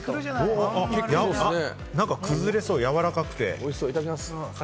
なんか崩れそう、やわらかくて。